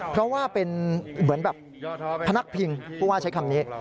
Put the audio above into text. เพราะว่าเป็นเหมือนแบบพนักพิงผู้ว่าใช้คำนี้